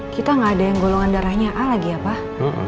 aduh kita gak ada yang golongan darahnya a lagi ya pak